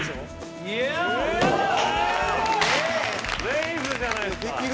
「レイズじゃないですか！」